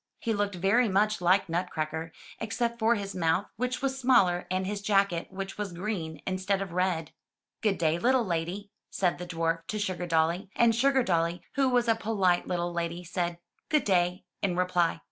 He looked very much like Nutcracker, except for his mouth, which was smaller, and his jacket, which was green instead of red. ''Good day, little lady," said the dwarf to Sugar dolly, and Sugardolly, who was a polite little lady, said "Good day" in reply.